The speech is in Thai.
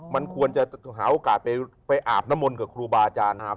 มันควรจะหาโอกาสไปอาบน้ำมนต์กับครูบาอาจารย์นะครับ